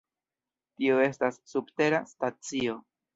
Tio estas subtera stacio.